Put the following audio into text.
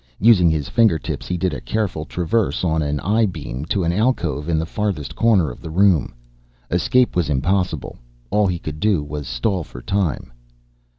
Using his fingertips he did a careful traverse on an I beam to an alcove in the farthest corner of the room. Escape was impossible, all he could do was stall for time.